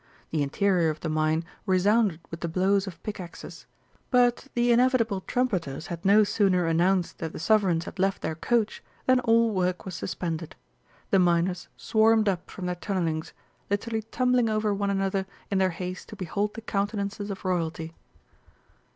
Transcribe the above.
The interior of the mine resounded with the blows of pickaxes, but the inevitable trumpeters had no sooner announced that the Sovereigns had left their coach than all work was suspended. The miners swarmed up from their tunnellings, literally tumbling over one another in their haste to behold the countenances of Royalty.